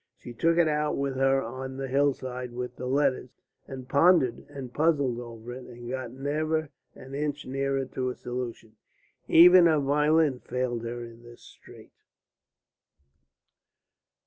She took it out with her on the hillside with the letters, and pondered and puzzled over it and got never an inch nearer to a solution. Even her violin failed her in this strait.